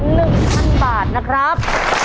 หนึ่งพันบาทนะครับ